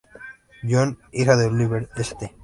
John, hija de Oliver St.